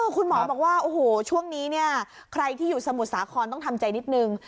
คุณหมอบอกว่าโอ้โหช่วงนี้เนี่ยใครที่อยู่สมุทรสาครต้องทำใจนิดนึง